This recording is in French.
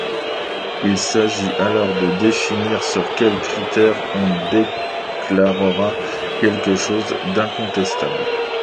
Il s'agit alors de définir sur quels critères on déclarera quelque chose d'incontestable.